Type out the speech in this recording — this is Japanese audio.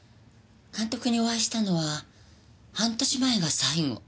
監督にお会いしたのは半年前が最後。